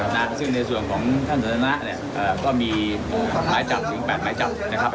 นะฮะซึ่งในส่วนของท่านศาลณะเนี้ยเอ่อก็มีไม้จับถึงแปดไม้จับนะครับ